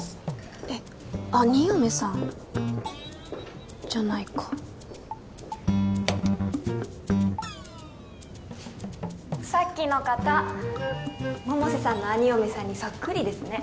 えっ兄嫁さん？じゃないかさっきの方百瀬さんの兄嫁さんにソックリですね